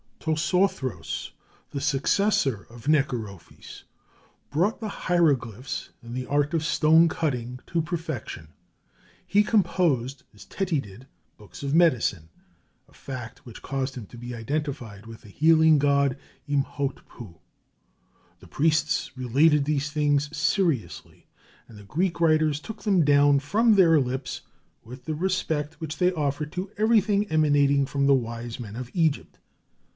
Tosorthros, the successor of Necherophes, brought the hieroglyphs and the art of stone cutting to perfection. He composed, as Teti did, books of medicine, a fact which caused him to be identified with the healing god Imhotpu. The priests related these things seriously, and the Greek writers took them down from their lips with the respect which they offered to everything emanating from the wise men of Egypt.